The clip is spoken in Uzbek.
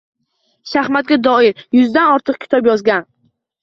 Shaxmatga doir yuzdan ortiq kitob yozgan